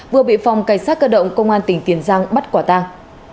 vừa bị phòng cảnh sát cơ động công an tỉnh tiền giang bắt quả tang